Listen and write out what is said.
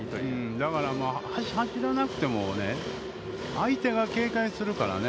だから走らなくてもね、相手が警戒するからね。